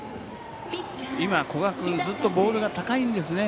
今、古賀君ずっとボールが高いんですね。